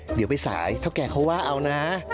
เดี๋ยวไปสายเท่าแก่เขาว่าเอานะ